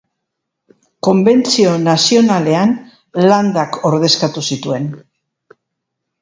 Konbentzio Nazionalean Landak ordezkatu zituen.